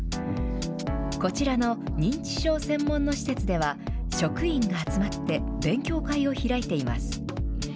こちらの認知症専門の施設では、職員が集まって、勉強会を開いています。